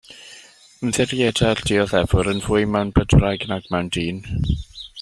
Ymddiriedai'r dioddefwyr yn fwy mewn bydwraig nag mewn dyn.